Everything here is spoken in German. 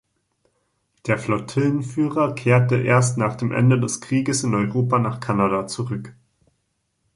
Der Flottillenführer kehrte erst nach dem Ende des Krieges in Europa nach Kanada zurück.